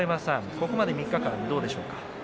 ここまで３日間はどうでしょうか。